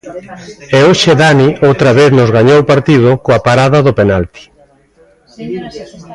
E hoxe Dani outra vez nos gañou o partido coa parada do penalti.